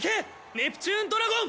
ネプチューン＝ドラゴン！